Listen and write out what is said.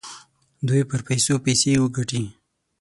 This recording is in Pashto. دوی پر پیسو پیسې وګټي.